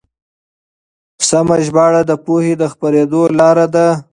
سمه ژباړه د پوهې د خپرېدو لاره ده.